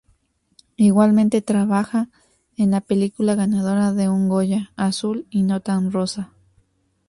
Igualmente trabaja en la película ganadora de un goya, Azul y no tan rosa.